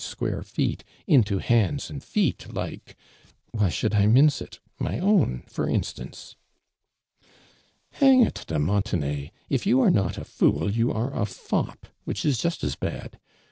H(|uare feet into hands and feet like— why shoukl 1 mince it '.' my own, for instance !" '•Hang it, de Montenay! Ifyouarenota j Ibol you are a fop, which is just as bad